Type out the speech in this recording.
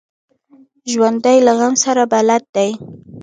ژوندي له غم سره بلد دي